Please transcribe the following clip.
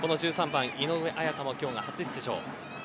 番井上綾香も今日が初出場。